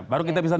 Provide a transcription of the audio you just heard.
kalau gak bisa